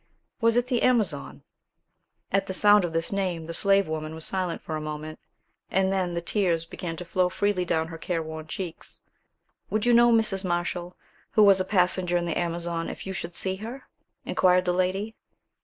"Was it the Amazon?" At the sound of this name, the slave woman was silent for a moment, and then the tears began to flow freely down her careworn cheeks. "Would you know Mrs. Marshall, who was a passenger in the Amazon, if you should see her?" inquired the lady.